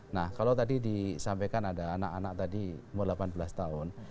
nah kalau tadi disampaikan ada anak anak tadi umur delapan belas tahun